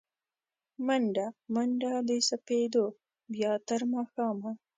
مڼډه، منډه د سپېدو، بیا تر ماښامه